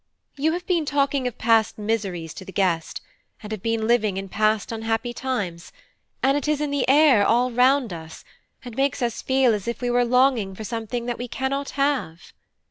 You have been talking of past miseries to the guest, and have been living in past unhappy times, and it is in the air all round us, and makes us feel as if we were longing for something that we cannot have."